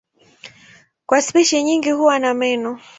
Kwa spishi nyingi huwa na meno.